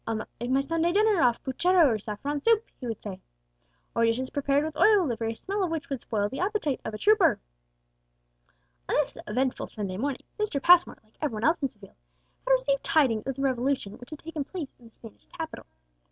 "I'll not make my Sunday dinner off puchero or saffron soup," he would say, "or dishes prepared with oil, the very smell of which would spoil the appetite of a trooper!" On this eventful Sunday morning Mr. Passmore, like every one else in Seville, had received tidings of the revolution which had taken place in the Spanish capital.